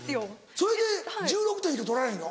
それで１６点しか取られへんの？